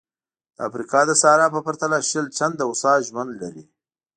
د افریقا د صحرا په پرتله شل چنده هوسا ژوند لري.